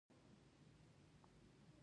پير د خانقاه تجار دی.